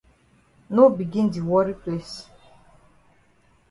No begin di worry place.